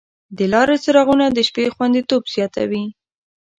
د لارې څراغونه د شپې خوندیتوب زیاتوي.